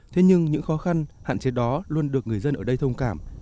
thế nhưng những khó khăn hạn chế đó luôn được người dân ở đây thông cảm